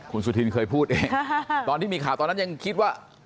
คุณสุธินเคยพูดเองตอนที่มีข่าวตอนนั้นยังคิดว่า